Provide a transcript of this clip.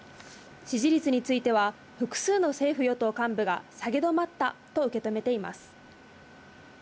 支持率については複数の政府与党幹部が下げ止まったと受け止めています。